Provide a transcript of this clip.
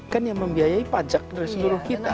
kan yang membiayai pajak dari seluruh kita